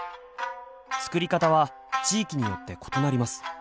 作り方は地域によって異なります。